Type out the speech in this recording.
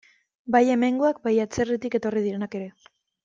Bai hemengoak, bai atzerritik etorri direnak ere.